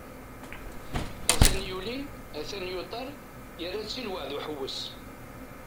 At-an yuli, atan yuṭer, yerra-tt i lweεd uḥewwes.